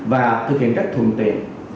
và thực hiện các thuận tiện